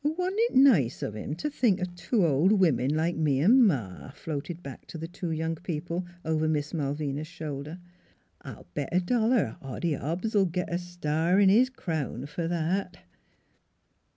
" Wa'n't it nice o' him t' think of two old women, like me an' Ma 1 " floated back to the 276 NEIGHBORS two young people over Miss Malvina's shoulder. " I'll bet a dollar Hoddy Hobbs '11 get a star in his crown fer that